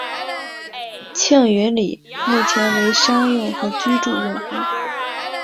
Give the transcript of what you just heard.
庆云里目前为商用和居住用房。